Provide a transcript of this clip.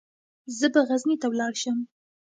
زه به غزني ته ولاړ شم.